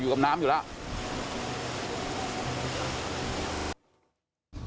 กับน้ำอยู่แล้ว